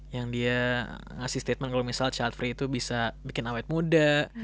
yang dia ngasih statement kalo misal childfree itu bisa bikin awet muda